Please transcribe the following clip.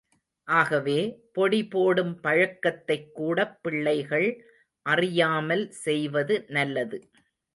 ஆகவே, பொடிபோடும் பழக்கத்தைக் கூடப் பிள்ளைகள் அறியாமல் செய்வது நல்லது.